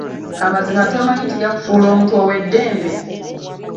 Amazima tomanyi nti gafuula omuntu ow'eddembe?